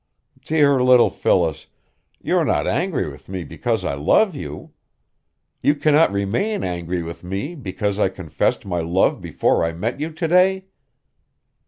"Dear little Phyllis, you are not angry with me because I love you? You cannot remain angry with me because I confessed my love before I met you to day?